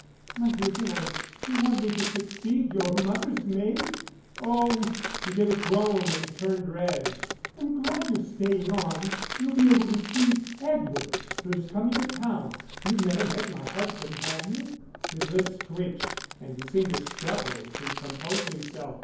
"My dear boy, do you want me to succeed your mother's maid?" "Oh!" he gave a groan and turned red. "I'm glad you're staying on. You'll be able to see Edward, who's coming to town. You've never met my husband, have you?" His lips twitched, and he seemed to struggle to compose himself.